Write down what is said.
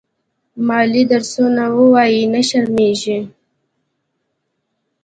مالې درسونه ووايه نه شرمېږې.